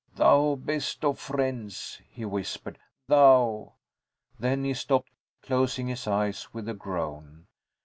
"Thou best of friends," he whispered. "Thou " Then he stopped, closing his eyes with a groan.